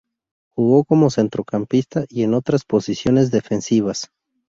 Jugó como centrocampista y en otras posiciones defensivas.